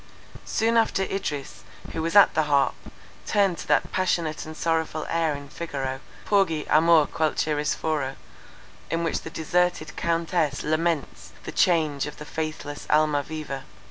Soon after Idris, who was at the harp, turned to that passionate and sorrowful air in Figaro, "Porgi, amor, qualche ristoro," in which the deserted Countess laments the change of the faithless Almaviva.